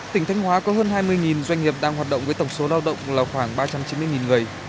tỉnh thanh hóa có hơn hai mươi doanh nghiệp đang hoạt động với tổng số lao động là khoảng ba trăm chín mươi người